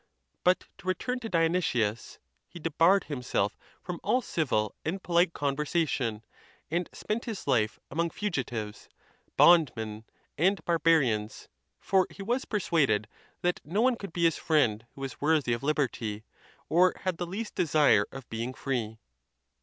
But to return to Dionysius. He debarred himself from all civ il and polite conversation, and spent his life among fugi tives, bondmen, and barbarians; for he was persuaded that no one could be his friend who was worthy of liberty, or had the least desire of being free.